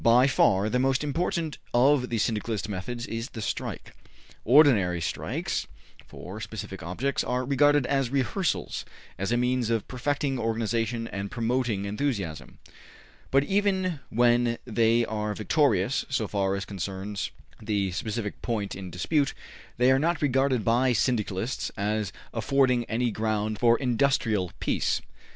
By far the most important of the Syndicalist methods is the strike. Ordinary strikes, for specific objects, are regarded as rehearsals, as a means of perfecting organization and promoting enthusiasm, but even when they are victorious so far as concerns the specific point in dispute, they are not regarded by Syndicalists as affording any ground for industrial peace.